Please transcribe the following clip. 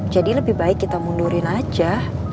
jadi lebih baik kita mundurin aja